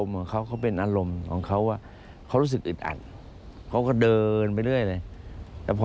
หลังนั้นผมว่าเป็นอารมณ์ของเหล่าเพราะเขาเหมือนอิถอันเขาก็เดินไปอยู่